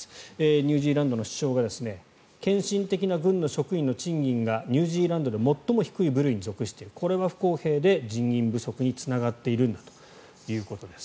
ニュージーランドの首相が献身的な軍の職員の賃金がニュージーランドで最も低い部類に属しているこれは不公平で人員不足につながっているんだということです。